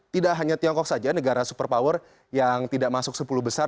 tidak hanya tiongkok saja negara super power yang tidak masuk sepuluh besar